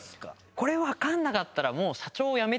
これ分かんなかったら。